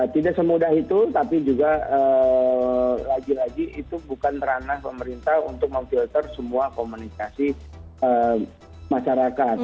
tidak semudah itu tapi juga lagi lagi itu bukan ranah pemerintah untuk memfilter semua komunikasi masyarakat